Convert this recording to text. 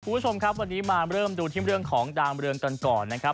คุณผู้ชมครับวันนี้มาเริ่มดูที่เรื่องของดาวเรืองกันก่อนนะครับ